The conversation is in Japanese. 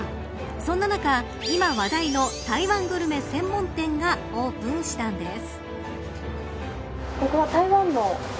そんな中、今話題の台湾グルメ専門店がオープンしたんです。